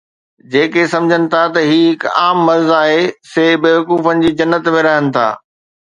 جيڪي سمجهن ٿا ته هي هڪ عام مرض آهي، سي بيوقوفن جي جنت ۾ رهن ٿا